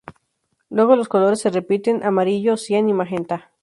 Luego los colores se repiten: amarillo, cian y magenta.